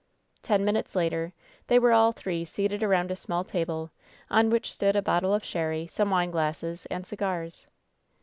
Ten minutes later they were all three seated around a small table, on which stood a bottle of sherry, some wineglasses, and cigars.